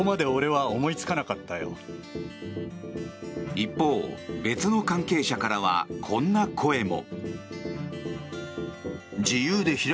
一方、別の関係者からはこんな声も。